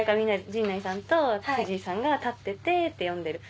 陣内さんと藤井さんが立ってて読んでる。